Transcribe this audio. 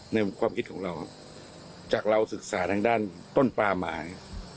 ในความคิดของเราจากเราศึกษาทางด้านต้นปลาหมาย